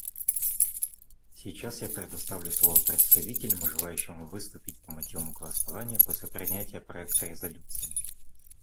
Сейчас я предоставлю слово представителям, желающим выступить по мотивам голосования после принятия проекта резолюции.